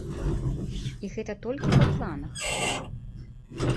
І гэта толькі па планах!